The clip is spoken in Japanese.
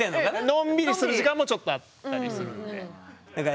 のんびりする時間もちょっとあったりするんで。